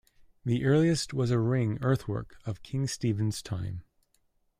The earliest was a ring earthwork of King Stephen's time.